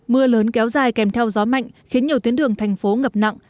mưa lớn kéo dài kèm theo gió mạnh khiến nhiều tuyến đường thành phố ngập nặng